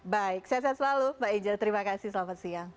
baik sehat selalu mbak angelina terima kasih selamat siang